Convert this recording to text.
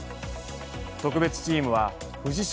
特別チームは藤島